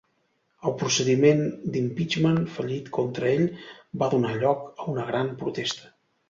El procediment d'"impeachment" fallit contra ell va donar lloc a una gran protesta.